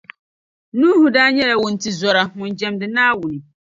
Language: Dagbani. Nuhu daa nyɛla wuntizɔra ŋun jɛmdi Naawuni.